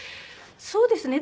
そうですね。